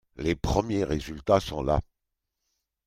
Les premiers résultats sont là.